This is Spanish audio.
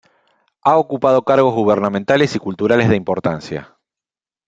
Ha ocupado cargos gubernamentales y culturales de importancia.